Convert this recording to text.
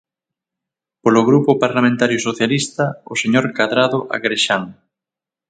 Polo Grupo Parlamentario Socialista, o señor Cadrado Agrexán.